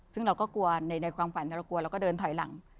ซึ่งเราก็กลัวในความฝันเรากลัวเราก็เดินถอยหลัง